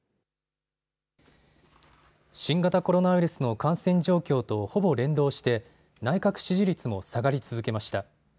新型コロナウイルスの感染状況とほぼ連動して内閣支持率も下がり続けました。